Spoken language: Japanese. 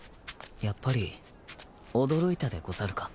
やっぱり驚いたでござるか？